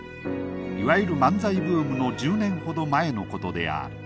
いわゆる漫才ブームの１０年ほど前のことである。